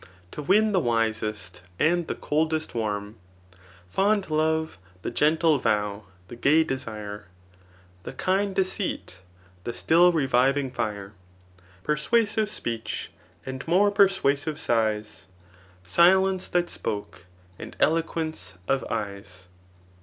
To win the wisest, and the coldest warm ; Fond love, the gentle vow, the gaj desire. The kind deceit, the still reviving fire. Persuasive speech, and more persuasive sighs. Silence that spoke, and eloquence of eyes.